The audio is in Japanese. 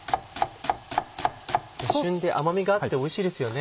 旬で甘みがあっておいしいですよね。